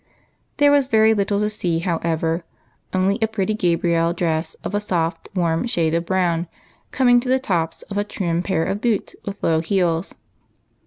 There was very little to see, however, only a pretty Gabrielle dress, of a soft, warm shade of brown, com ing to the tops of a trim pair of boots with low heels.